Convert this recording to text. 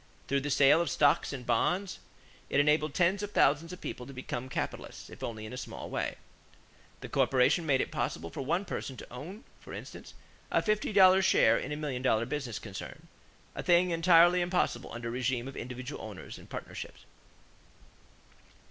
Through the sale of stocks and bonds, it enabled tens of thousands of people to become capitalists, if only in a small way. The corporation made it possible for one person to own, for instance, a $50 share in a million dollar business concern a thing entirely impossible under a régime of individual owners and partnerships.